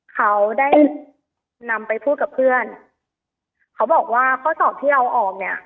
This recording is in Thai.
เขาได้นำไปพูดกับเพื่อนเขาบอกว่าข้อสอบที่เอาออกเนี่ย